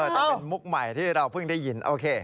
แต่เป็นมุกใหม่ที่เราเพิ่งได้ยินโอเค